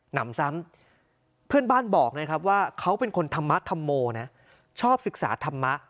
นำซ้ำเพื่อนบ้านบอกนะครับว่าเขาเป็นคนธรรมธรรโมนะชอบศึกษาธรรมะ